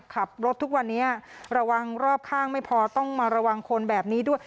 ขับรถทุกวันนี้ระวังรอบข้างไม่พอต้องมาระวังคนแบบนี้ด้วย